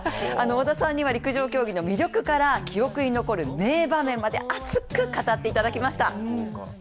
織田さんには陸上競技の魅力から記憶に残る名場面まで熱く語っていただきました。